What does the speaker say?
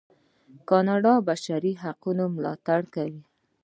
کاناډا د بشري حقونو ملاتړ کوي.